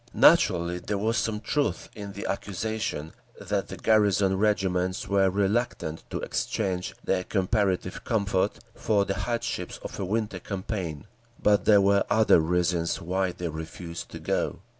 Naturally there was some truth in the accusation that the garrison regiments were reluctant to exchange their comparative comfort for the hardships of a winter campaign. But there were other reasons why they refused to go.